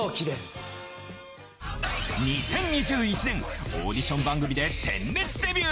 ２０２１年オーディション番組で鮮烈デビュー！